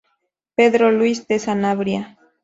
Pedro Luis de Sanabria.